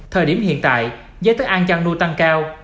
thời điểm hiện tại giá thức ăn chăn nuôi tăng cao